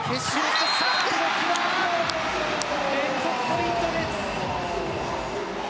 連続ポイントです。